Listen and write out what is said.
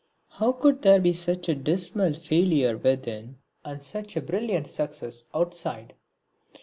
How could there be such dismal failure within and such brilliant success outside?